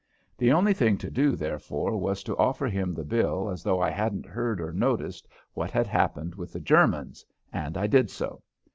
The only thing to do, therefore, was to offer him the bill as though I hadn't heard or noticed what had happened with the Germans, and I did so.